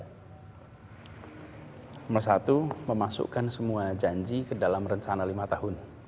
nomor satu memasukkan semua janji ke dalam rencana lima tahun